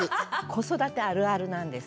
子育てあるあるなんです。